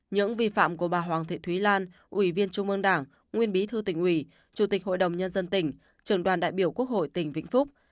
những vi phạm của bà hoàng thị thúy lan ủy viên trung ương đảng nguyên bí thư tỉnh ủy chủ tịch hội đồng nhân dân tỉnh trường đoàn đại biểu quốc hội tỉnh vĩnh phúc